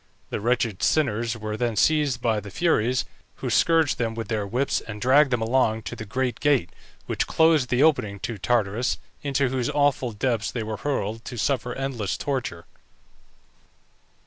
The wretched sinners were then seized by the Furies, who scourged them with their whips, and dragged them along to the great gate, which closed the opening to Tartarus, into whose awful depths they were hurled, to suffer endless torture.